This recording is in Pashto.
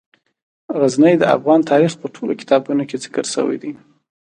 غزني د افغان تاریخ په ټولو کتابونو کې ذکر شوی دی.